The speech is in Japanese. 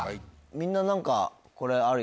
みんな何かこれある？